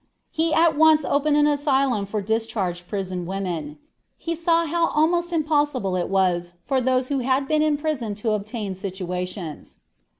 He at once opened an asylum for discharged prison women. He saw how almost impossible it was for those who had been in prison to obtain situations.